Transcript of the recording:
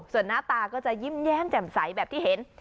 ส่วนหน้าตาก็จะยิ้มแย้มแจ่มใสแบบที่เห็น